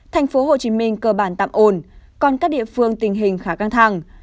thành phố hồ chí minh cơ bản tạm ổn còn các địa phương tình hình khá căng thẳng